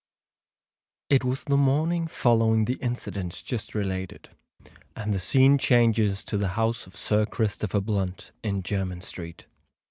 It was the morning following the incidents just related; and the scene changes to the house of Sir Christopher Blunt, in Jermyn Street.